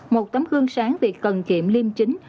một tấm gương sáng về cần kiệm liêm chính